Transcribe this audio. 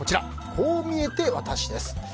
こう見えてワタシです。